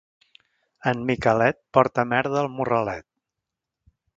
En Miquelet porta merda al morralet.